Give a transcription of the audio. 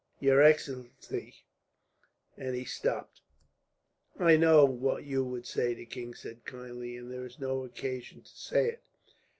"Your excellency " and he stopped. "I know what you would say," the king said kindly, "and there is no occasion to say it.